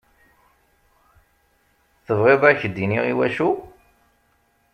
Tebɣiḍ ad k-d-iniɣ iwacu?